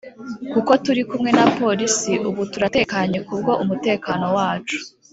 Kuko turikumwe na police ubu turatekanye kubwo umutekano wacu